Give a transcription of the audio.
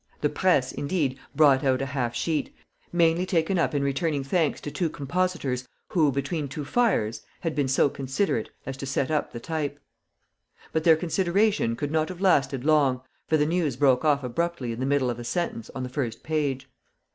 The "Presse," indeed, brought out a half sheet, mainly taken up in returning thanks to two compositors "who, between two fires," had been "so considerate" as to set up the type. But their consideration could not have lasted long, for the news broke off abruptly in the middle of a sentence on the first page.